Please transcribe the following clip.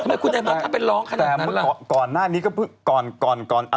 ทำไมคุณได้มาทำเป็นร้องขนาดนั้นแหละ